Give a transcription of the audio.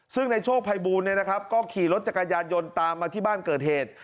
ซึ่งนายโชคไพบูลเนี่ยนะครับก็ขี่รถจักรยานยนต์ตามมาที่บ้านเกิดเหตุ